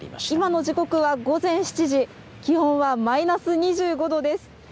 今の時刻は午前７時、マイナス２５度です。